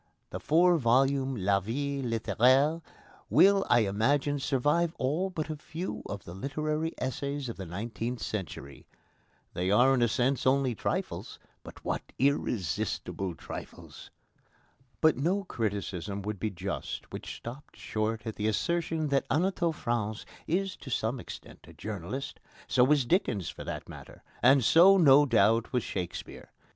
The four volumes of La Vie Littéraire will, I imagine, survive all but a few of the literary essays of the nineteenth century. They are in a sense only trifles, but what irresistible trifles! But no criticism would be just which stopped short at the assertion that Anatole France is to some extent a journalist. So was Dickens for that matter, and so, no doubt, was Shakespeare.